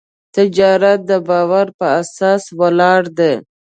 تجارت د باور په اساس ولاړ دی.